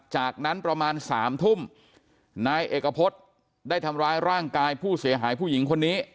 จากนั้นประมาณสามทุ่มนายเอกพฤษได้ทำร้ายร่างกายผู้เสียหายผู้หญิงคนนี้